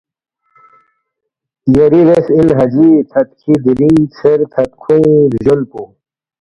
یاری ریس اِن حاجی تھدکھی دیرینگ ژیر تھدکھونی بجون پو